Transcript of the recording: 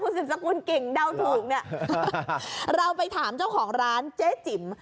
สิบสกุลกิ่งเดาถูกเนี่ยเราไปถามเจ้าของร้านเจ๊จิ๋ม